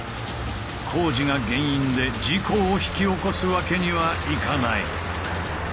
工事が原因で事故を引き起こすわけにはいかない。